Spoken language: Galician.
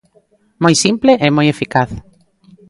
Moi simple e moi eficaz.